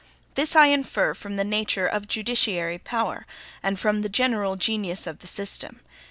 This I infer from the nature of judiciary power, and from the general genius of the system.